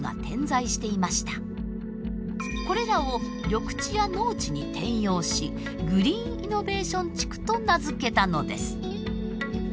これらを緑地や農地に転用しグリーンイノベーション地区と名付けたのです。